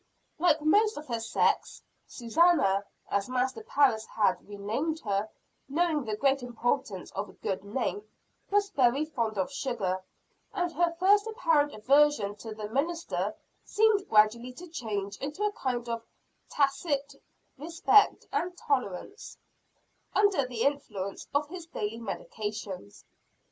Like most of her sex, Susannah as Master Parris had renamed her, knowing the great importance of a good name was very fond of sugar; and her first apparent aversion to the minister seemed gradually to change into a kind of tacit respect and toleration, under the influence of his daily medications.